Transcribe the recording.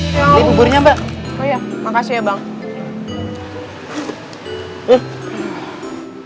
sekarang gue sama dia akan mencarimu